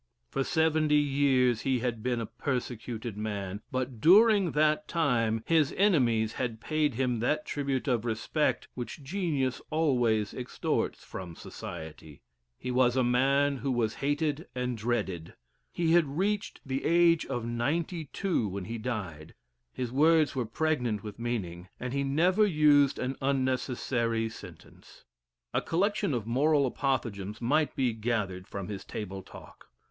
For seventy years he had been a persecuted man, but during that time his enemies had paid him that tribute of respect which genius always extorts from society. He was a man who was hated and dreaded. He had reached the age of ninety two when he died. His words were pregnant with meaning; and he never used an unnecessary sentence. A collection of moral apothegms might be gathered from his table talk.